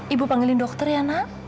ibu panggilin dokter ya nak